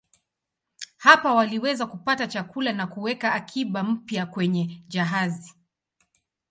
Hapa waliweza kupata chakula na kuweka akiba mpya kwenye jahazi.